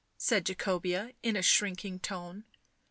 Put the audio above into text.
said Jacobea in a shrinking tone.